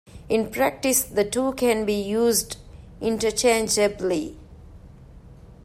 In practice the two can be used interchangeably.